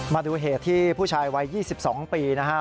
มาดูเหตุที่ผู้ชายวัย๒๒ปีนะฮะ